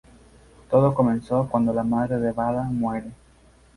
Todo comenzó cuando la madre de Vada muere.